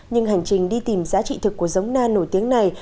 nhưng hành trình đi tìm giá trị thực của giống na nổi tiếng này